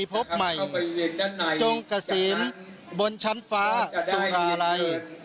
ที่พบใหม่จงกระซิมบนชั้นฟ้าสุภาลัย